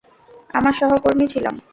আমরা সহকর্মী ছিলাম।